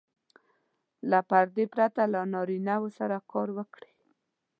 له پردې پرته له نارینه وو سره کار وکړي.